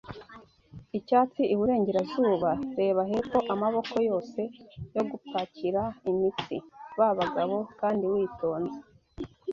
Icyatsi, iburengerazuba. Reba hepfo, amaboko yose yo gupakira imitsi. Ba bagabo, kandi witonze. ”